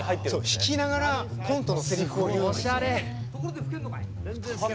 弾きながらコントのせりふを。